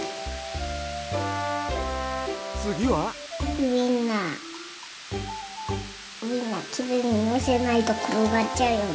ウインナーきれいにのせないところがっちゃうよね？